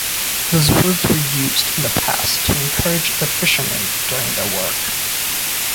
Those words were used in the past to encourage the fisherman during their work.